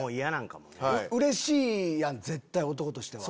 うれしいやん絶対男としては。